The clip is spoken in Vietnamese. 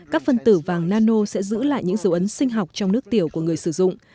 các phân tử vàng nano sẽ giữ lại những dấu ấn sinh học trong nước tiểu của người sử dụng